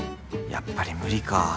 やっぱり無理か。